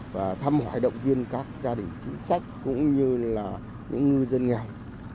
và thăm hỏi động viên các gia đình chính sách cũng như là những ngư dân nghèo